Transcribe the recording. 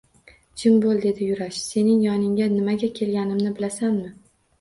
Jim boʻl! – dedi Yurash. – Sening yoningga nimaga kelganimni bilasanmi?